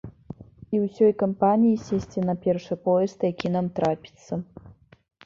І ўсёй кампаніяй сесці на першы поезд, які нам трапіцца.